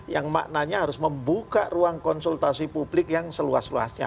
yang maknanya harus membuka ruang konsultasi publik yang seluas luasnya